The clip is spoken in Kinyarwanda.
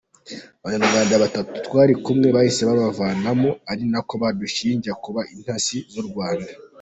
Abanyarwanda batatu twari kumwe bahise babavanamo ari nako badushinja kuba intasi z’u Rwanda.”